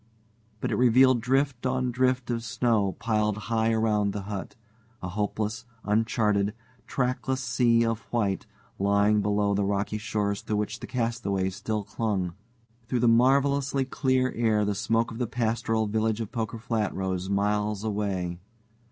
But it revealed drift on drift of snow piled high around the hut a hopeless, uncharted, trackless sea of white lying below the rocky shores to which the castaways still clung. Through the marvelously clear air the smoke of the pastoral village of Poker Flat rose miles away.